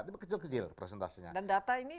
tapi kecil kecil prosentasenya dan data ini